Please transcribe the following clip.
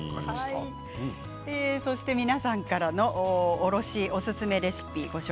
皆さんからのおすすめレシピです。